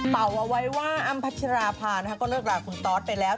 เป่าเอาไว้ว่าอ้ำพัชราภาก็เลิกลาคุณตอสไปแล้ว